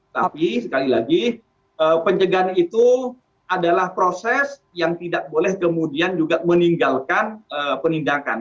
tapi sekali lagi pencegahan itu adalah proses yang tidak boleh kemudian juga meninggalkan penindakan